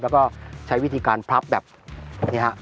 แล้วก็ใช้วิธีการพลับแบบนี้ฮะ